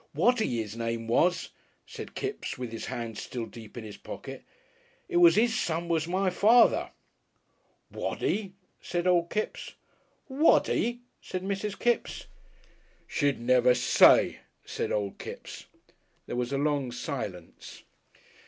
"Waddy 'is name was," said Kipps, with his hand still deep in his pocket. "It was 'is son was my father " "Waddy!" said Old Kipps. "Waddy!" said Mrs. Kipps. "She'd never say," said Old Kipps. There was a long silence.